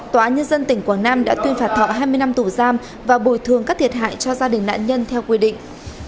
tòa án nhân dân tỉnh quảng nam đã tuyên phạt thọ hai mươi năm tù giam và bồi thường các thiệt hại cho gia đình nạn nhân theo quy định